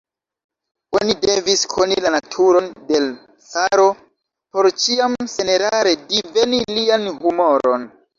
Oni devis koni la naturon de l' caro, por ĉiam senerare diveni lian humoron.